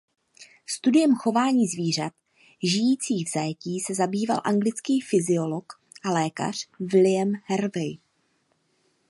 Studiem chování zvířat žijících v zajetí se zabýval anglický fyziolog a lékař William Harvey.